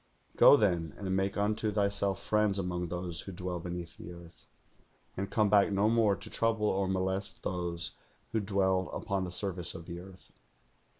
Go, then, and make unto thyself friends among those who dwell beneath the earth, and come back no more to trouble or molest those who dwell upon the surface of the earth.'